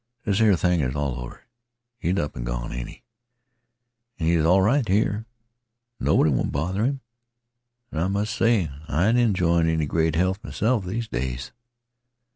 This here thing is all over. He 's up an' gone, ain't 'e? An' he 's all right here. Nobody won't bother 'im. An' I must say I ain't enjoying any great health m'self these days."